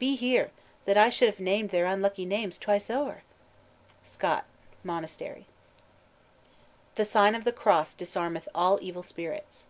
be here! that I should have named their unlucky names twice ower!" SCOTT: Monastery. "The sign of the cross disarmeth all evil spirits."